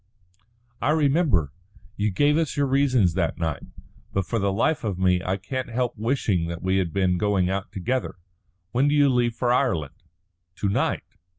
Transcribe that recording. "I remember. You gave us your reasons that night. But for the life of me I can't help wishing that we had been going out together. When do you leave for Ireland?" "To night."